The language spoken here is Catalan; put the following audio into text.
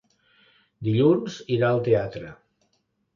Dilluns irà al teatre.